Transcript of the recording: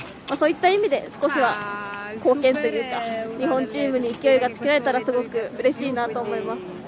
そういった意味で少しは貢献というか日本チームに勢いがつけられたらすごくうれしいなと思います。